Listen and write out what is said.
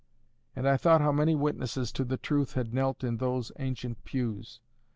And I thought how many witnesses to the truth had knelt in those ancient pews.